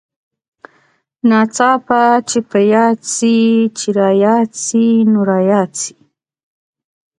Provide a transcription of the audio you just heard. ناڅاپه چې په ياد سې چې راياد سې نو راياد سې.